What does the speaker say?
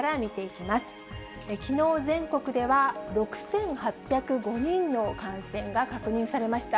きのう、全国では６８０５人の感染が確認されました。